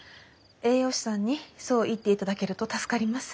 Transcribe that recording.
栄養士さんにそう言っていただけると助かります。